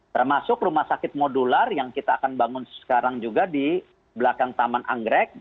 termasuk rumah sakit modular yang kita akan bangun sekarang juga di belakang taman anggrek